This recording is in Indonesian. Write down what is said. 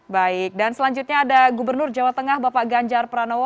baik dan selanjutnya ada gubernur jawa tengah bapak ganjar pranowo